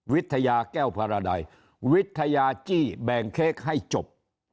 วิทยาแก้วพาราดัยวิทยาจี้แบ่งเค้กให้จบ